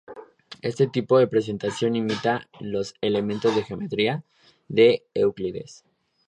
Este tipo de presentación imita los "Elementos de Geometría" de Euclides.